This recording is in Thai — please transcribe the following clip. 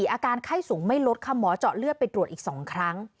อาการไข้สูงไม่ลดค่ะหมอเจาะเลือดไปตรวจอีก๒ครั้ง